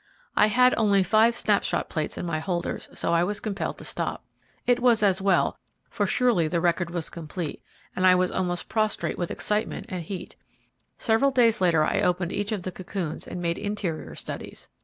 I had only five snapshot plates in my holders, so I was compelled to stop. It was as well, for surely the record was complete, and I was almost prostrate with excitement and heat. Several days later I opened each of the cocoons and made interior studies.